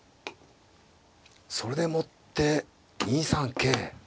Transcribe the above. それでもって２三桂。